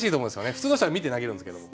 普通の人は見て投げるんですけども。